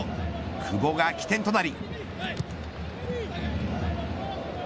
久保が起点となり。